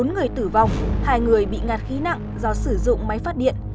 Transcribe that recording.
bốn người tử vong hai người bị ngạt khí nặng do sử dụng máy phát điện